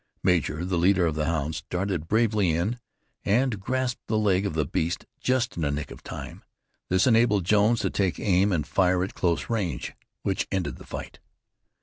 Major, the leader of the hounds, darted bravely in, and grasped the leg of the beast just in the nick of time. This enabled Jones to take aim and fire at close range, which ended the fight.